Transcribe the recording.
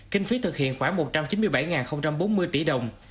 kinh phí thực hiện khoảng một trăm chín mươi bảy bốn mươi tỷ đồng